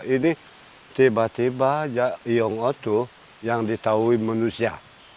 ini tiba tiba iyung otu yang ditahui manusia